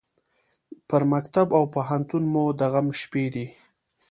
پر مکتب او پوهنتون مو د غم شپې دي